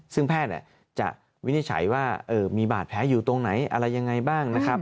ซึ่งแพทย์จะวินิจฉัยว่ามีบาดแผลอยู่ตรงไหนอะไรยังไงบ้างนะครับ